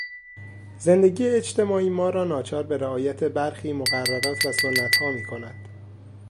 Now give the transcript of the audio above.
زندگی اجتماعی ما را ناچار به رعایت برخی مقررات و سنتها میکند.